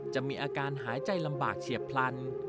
จะได้ลำบากเฉียบพลัน